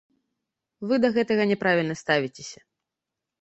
Вы да гэтага няправільна ставіцеся.